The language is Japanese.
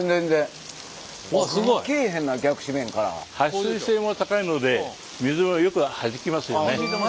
はっ水性も高いので水をよくはじきますよね。